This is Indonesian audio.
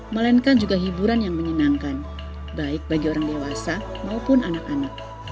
melainkan juga hiburan yang menyenangkan baik bagi orang dewasa maupun anak anak